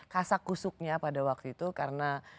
kasakusuknya pada waktu itu karena